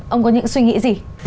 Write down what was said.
ông có những suy nghĩ gì